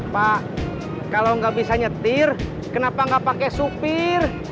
pak kalau gak bisa nyetir kenapa gak pakai supir